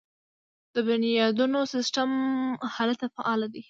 د بنیادونو سیستم هلته فعال دی.